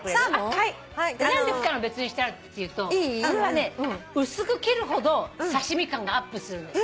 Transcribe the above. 何で２人の別にしてあるっていうと薄く切るほど刺し身感がアップするんです。